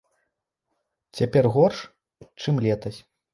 Цяпер горш, чым летась.